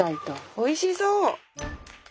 おいしそう！